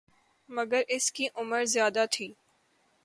مگر اس کی عمر زیادہ تھی